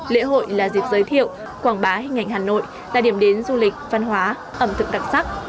lễ hội là dịp giới thiệu quảng bá hình ảnh hà nội là điểm đến du lịch văn hóa ẩm thực đặc sắc